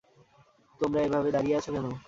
তোমারা এভাবে দাঁড়িয়ে আছো কেন?